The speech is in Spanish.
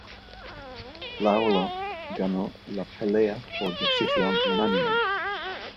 Lawler ganó la pelea por decisión unánime.